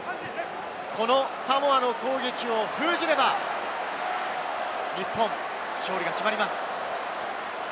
このサモアの攻撃を封じれば日本、勝利が決まります。